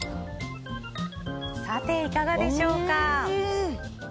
いかがでしょうか？